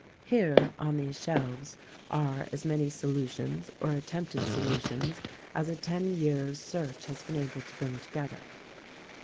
Here, on these shelves, are as many solutions or attempted solutions as a ten years' search has been able to bring together.